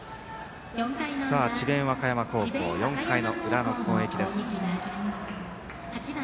さあ、智弁和歌山高校４回の裏の攻撃です。